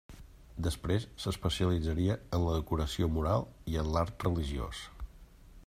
Després s'especialitzaria en la decoració mural i en l'art religiós.